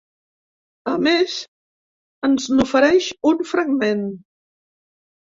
A més, ens n’ofereix un fragment.